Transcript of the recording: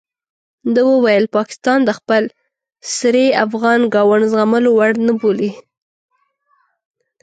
ده وویل پاکستان د خپل سرۍ افغان ګاونډ زغملو وړ نه بولي.